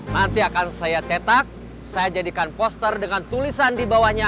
nanti akan saya cetak saya jadikan poster dengan tulisan di bawahnya